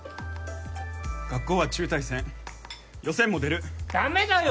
学校は中退せん予選も出るダメだよ